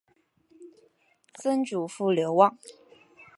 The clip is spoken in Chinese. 曾祖父刘旺。